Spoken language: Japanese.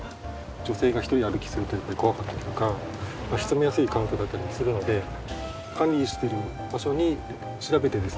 女性が一人歩きするとやっぱり怖かったりとか潜みやすい環境だったりもするので管理している場所に調べてですね連絡しています。